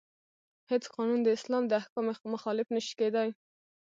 هیڅ قانون د اسلام د احکامو مخالف نشي کیدای.